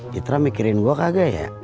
citra mikirin gue kagak ya